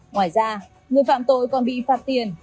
ngoài ra người phạm tội còn bị phạt tiền